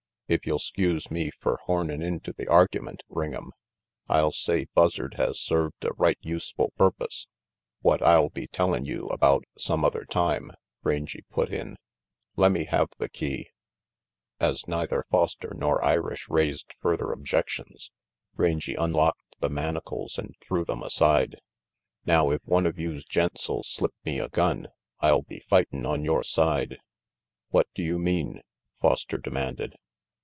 "If you'll 'skuse me fer hornin' into the argument, Ring'em, I'll say Buzzard has served a right useful purpose, what I'll be tellin' you about some other time," Rangy put in. "Lemme have the key." RANGY PETE Vn*v.. As neither Foster nor Irish raised further objec tions, Rangy unlocked the manacles and threw them aside. "Now if one of youse gents '11 slip me a gun, I'll be fightin' on your side." "What do you mean?" Foster demanded.